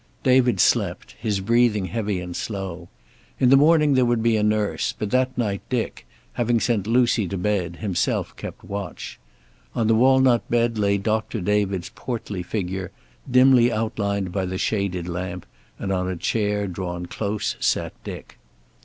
David slept, his breathing heavy and slow. In the morning there would be a nurse, but that night Dick, having sent Lucy to bed, himself kept watch. On the walnut bed lay Doctor David's portly figure, dimly outlined by the shaded lamp, and on a chair drawn close sat Dick.